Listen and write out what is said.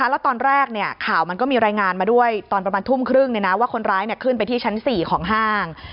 แล้วตอนแรกข่าวมันก็มีรายงานมาด้วยตอนประมาณทุ่มครึ่งว่าคนร้ายขึ้นไปที่ชั้น๔ของห้าง